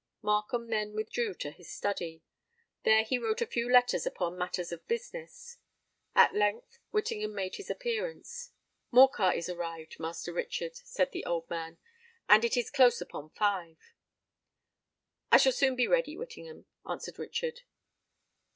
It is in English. Markham then withdrew to his study. There he wrote a few letters upon matters of business. At length Whittingham made his appearance. "Morcar is arrived, Master Richard," said the old man, "and it is close upon five." "I shall soon be ready, Whittingham," answered Richard.